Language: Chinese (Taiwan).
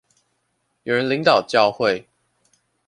有人領導教會